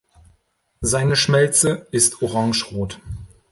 Seine Schmelze ist orangerot.